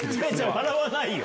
笑わないよ